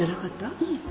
うん。